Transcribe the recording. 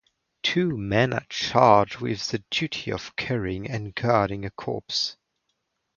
Two men are charged with the duty of carrying and guarding a corpse.